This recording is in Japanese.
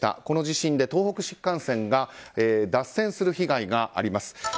この地震で東北新幹線が脱線する被害があります。